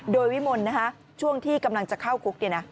โดยวิมลช่วงที่กำลังจะเข้าคุก